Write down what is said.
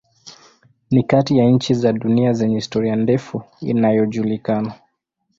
Ni kati ya nchi za dunia zenye historia ndefu inayojulikana.